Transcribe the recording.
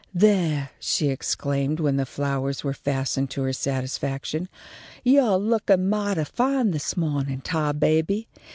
"There!" she exclaimed, when the flowers were fastened to her satisfaction. "Yo' lookin' mighty fine this mawnin', Tarbaby!